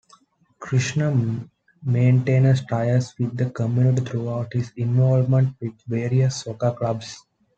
Kirshner maintains ties with the community through his involvement with various soccer clubs.